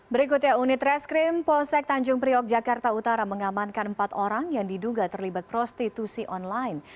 berikutnya unit reskrim polsek tanjung priok jakarta utara mengamankan empat orang yang diduga terlibat prostitusi online